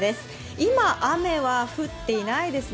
今、雨は降っていないですね。